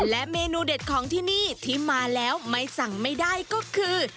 และเมนูเด็ดของที่นี่ที่มาแล้วไม่สั่งไม่ได้ก็คือ